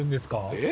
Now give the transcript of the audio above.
えっ！